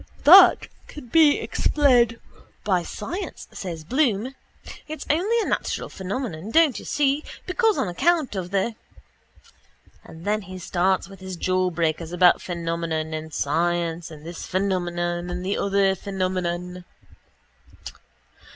—That can be explained by science, says Bloom. It's only a natural phenomenon, don't you see, because on account of the... And then he starts with his jawbreakers about phenomenon and science and this phenomenon and the other phenomenon.